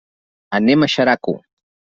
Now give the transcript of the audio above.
Anem a Xeraco.